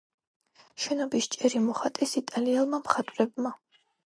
შენობის ჭერი მოხატეს იტალიელმა მხატვრებმა.